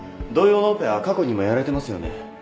同様のオペは過去にもやられてますよね？